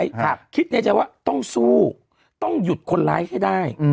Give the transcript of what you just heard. ยังไงยังไงยังไงยังไง